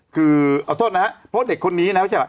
คือเอาโทษนะฮะเพราะเด็กคนนี้นะฮะ